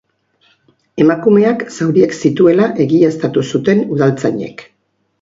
Emakumeak zauriak zituela egiaztatu zuten udaltzainek.